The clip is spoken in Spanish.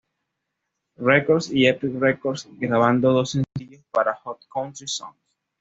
Records y Epic Records, grabando dos sencillos para Hot Country Songs.